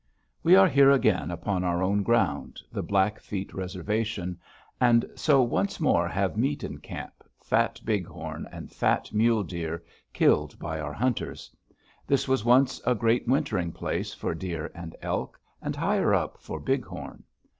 [Illustration: EN ROUTE TO ICEBERG LAKE] We are here again upon our own ground, the Blackfeet Reservation, and so once more have meat in camp, fat bighorn and fat mule deer, killed by our hunters. This was once a great wintering place for deer and elk, and, higher up, for bighorn.